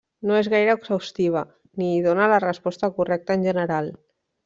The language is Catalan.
No és gaire exhaustiva ni hi dóna la resposta correcta en general.